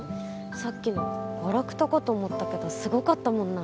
さっきのガラクタかと思ったけどすごかったもんな